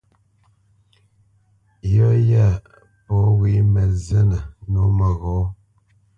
Yɔ́ yá pɔ̂ wé mǝ́ zínǝ́ nǒ məghɔ̌.